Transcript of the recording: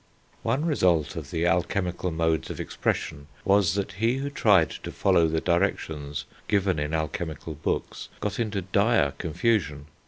One result of the alchemical modes of expression was, that he who tried to follow the directions given in alchemical books got into dire confusion.